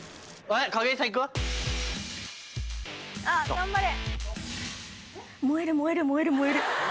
頑張れ。